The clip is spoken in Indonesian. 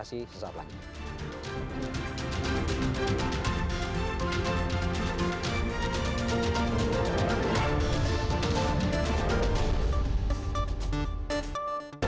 anda sudah menginsul terhalo